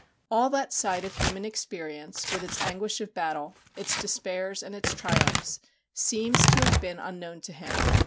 All that side of human experience, with its anguish of battle, its despairs, and its triumphs, seems to have been unknown to him.